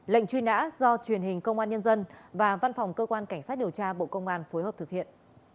lệnh truy nã do truyền hình công an nhân dân và văn phòng cơ quan cảnh sát điều tra bộ công an phối hợp thực hiện